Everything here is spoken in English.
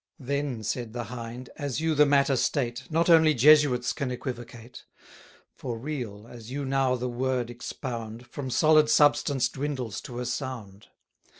Then, said the Hind, as you the matter state, Not only Jesuits can equivocate; For real, as you now the word expound, From solid substance dwindles to a sound.